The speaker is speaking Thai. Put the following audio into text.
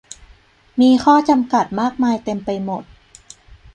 มีข้อจำกัดมากมายเต็มไปหมด